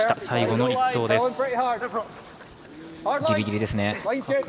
最後の１投です。